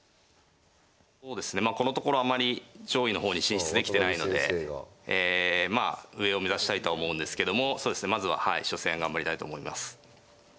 そうですねまあこのところあまり上位の方に進出できてないのでまあ上を目指したいとは思うんですけどもまずははい初戦頑張りたいと思います。